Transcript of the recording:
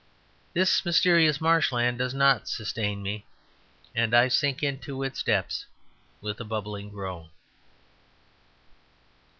This mysterious marshland does not sustain me, and I sink into its depths with a bubbling groan.